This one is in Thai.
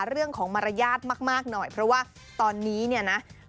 เรื่องของมารยาทมากหน่อยเพราะว่าตอนนี้เนี่ยนะ